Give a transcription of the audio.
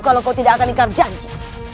kalau kau tidak akan lingkar janji